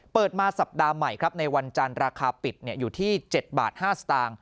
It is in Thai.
เปิดมาสัปดาห์ใหม่ครับในวันจันทร์ราคาปิดอยู่ที่๗บาท๕สตางค์